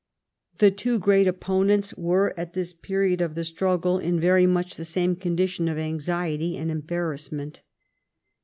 The two great opponents were at this period of the struggle in very much the same condition of anxiety and embarrass ment.